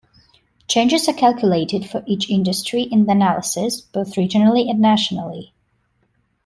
Changes are calculated for each industry in the analysis, both regionally and nationally.